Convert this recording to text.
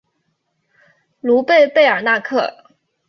卢贝贝尔纳克。